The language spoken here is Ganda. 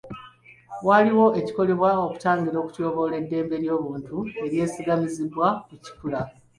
Waliwo ekikolebwa okutangira okutyoboola ddembe ly'obuntu eryesigamiziddwa ku kikula.